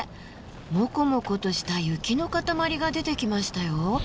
モコモコとした雪の塊が出てきましたよ。